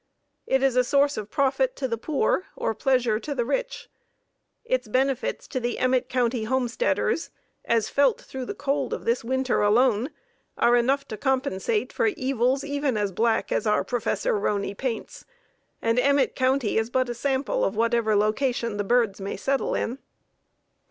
It is a source of profit to the poor, or pleasure to the rich. Its benefits to the Emmett County homesteaders, as felt through the cold of this winter alone, are enough to compensate for evils even as black as our Prof. Roney paints, and Emmett County is but a sample of whatever location the birds may settle in.